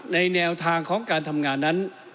แนวทางของการทำงานนั้น